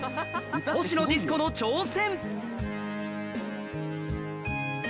ほしのディスコの挑戦